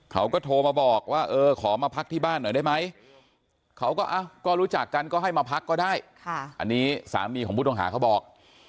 เขาก็โทรมาบอกว่าเออขอมาพักที่บ้านหน่อยได้ไหมเขาก็รู้จักกันก็ให้มาพักก็ได้อันนี้สามีของผู้ต้องหาเขาบอก